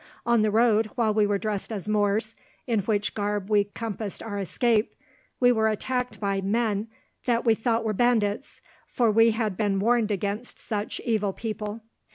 On the road, while we were dressed as Moors, in which garb we compassed our escape, we were attacked by men that we thought were bandits, for we had been warned against such evil people.